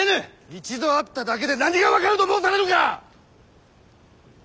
一度会っただけで何が分かると申されるか！